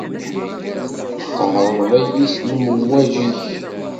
Tqehhreḍ-iyi s lemwaǧi-k.